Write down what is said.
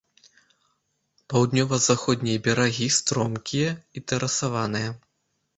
Паўднёва-заходнія берагі стромкія і тэрасаваныя.